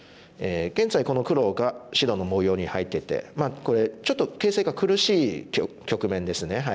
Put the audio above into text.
現在この黒が白の模様に入っててまあこれちょっと形勢が苦しい局面ですね。